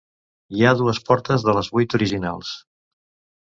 Hi ha dues portes de les vuit originals.